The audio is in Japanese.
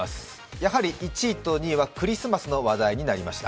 やはり１位と２位はクリスマスの話題になりました。